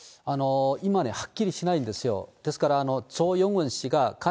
今ね、はっきりしないんですよ。